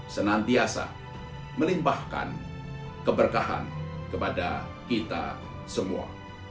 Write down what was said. senantiasa melimpahkan keberkahan kepada kita semua